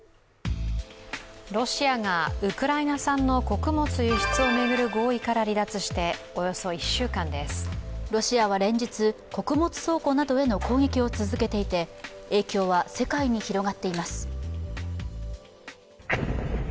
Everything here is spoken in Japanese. ロシアがウクライナ産の穀物輸出を巡る合意から離脱してロシアは連日、穀物倉庫などへの攻撃を続けていて影響は世界に広がっています。